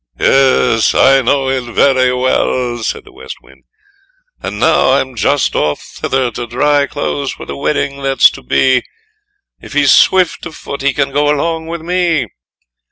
"Yes, I know it very well," said the West Wind, "and now I'm just off thither to dry clothes for the wedding that's to be; if he's swift of foot he can go along with me."